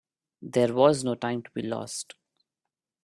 There was no time to be lost.